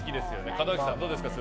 門脇さん、どうですか？